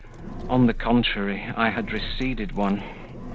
On the contrary, I had receded one.